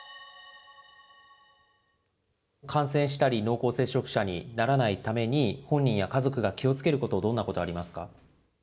感染したり濃厚接触者にならないために、本人や家族が気をつけること、どんなことありますか。